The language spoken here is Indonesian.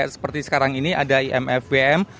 seperti sekarang ini ada imfwm